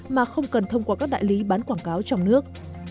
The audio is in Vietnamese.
mà không cần thông qua các đại lý bán quảng cáo trong nước